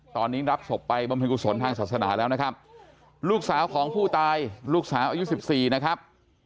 ตอนนี้รับศพไปบำเพ็ญกุศลทางศาสนาแล้วนะครับลูกสาวของผู้ตายลูกสาวอายุ๑๔นะครับ